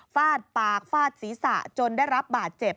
ฟาดปากฟาดศีรษะจนได้รับบาดเจ็บ